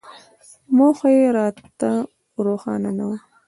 موخه یې راته روښانه نه وه.